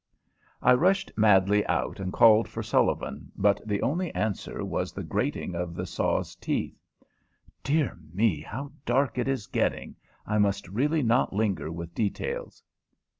I rushed madly out and called for Sullivan, but the only answer was the grating of the saw's teeth. (Dear me! how dark it is getting! I must really not linger with details.)